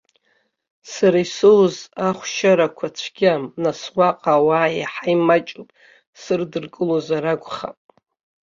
Сара исоуз ахәшьарақәа цәгьам, нас уаҟа ауаа иаҳа имаҷуп, срыдыркылозар акәхап.